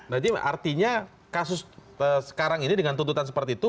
sebenarnya kasus sekarang ini dengan tuntutan seperti itu